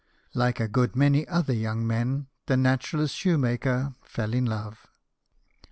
Like a good many other young men, the naturalist shoemaker fell in love.